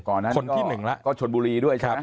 ก่อนนั้นก็ชนบุรีด้วยใช่ไหม